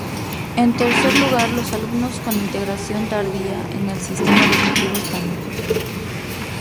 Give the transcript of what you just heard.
En tercer lugar los alumnos con integración tardía en el sistema educativo español.